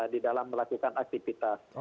di dalam melakukan aktivitas